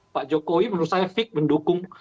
pak jokowi menurut saya fix mendukung